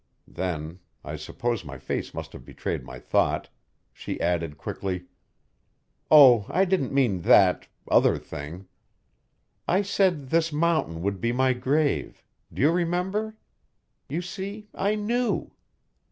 Then I suppose my face must have betrayed my thought she added quickly: "Oh, I didn't mean that other thing. I said this mountain would be my grave, do you remember? You see, I knew."